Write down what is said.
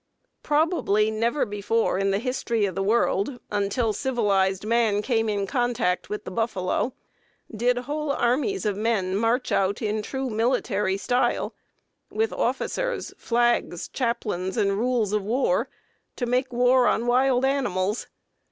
Probably never before in the history of the world, until civilized man came in contact with the buffalo, did whole armies of men march out in true military style, with officers, flags, chaplains, and rules of war, and make war on wild animals.